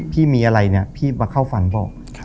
พี่มีอะไรนี่มาเข้าฝันบอก